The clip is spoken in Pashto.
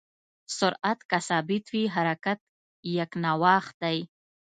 سرعت که ثابت وي، حرکت یکنواخت دی.